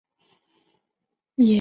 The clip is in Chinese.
岩泽出生于群马县桐生市。